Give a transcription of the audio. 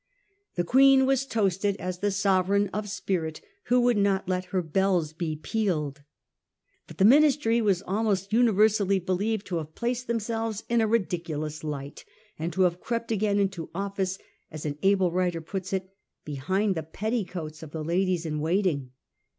The Queen was toasted as the sovereign of spirit who 1 would not let her belles be peeled.' But the Ministry were almost universally believed to have placed themselves in a ridiculous light, and to have crept again into office, as an able writer puts it, ' behind the petticoats of the ladies in waiting.